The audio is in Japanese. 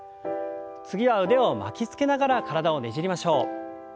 次は腕を巻きつけながら体をねじりましょう。